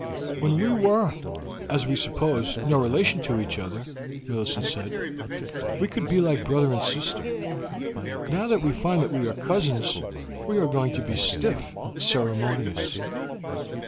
"When we were, as we supposed, no relation to each other," Millicent said, "we could be like brother and sister. Now that we find that we are cousins we are going to be stiff and ceremonious."